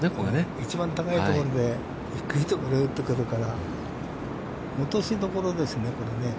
一番高いところでいいところへ打ってくるから、落としどころですね。